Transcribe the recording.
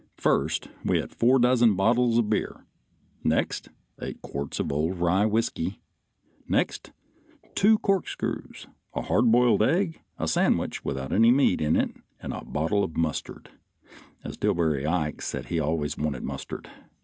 First, we had four dozen bottles of beer; next, eight quarts of old rye whiskey; next, two corkscrews, a hard boiled egg, a sandwich without any meat in it and a bottle of mustard, as Dillbery Ike said he always wanted mustard.